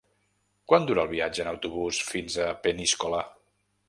Quant dura el viatge en autobús fins a Peníscola?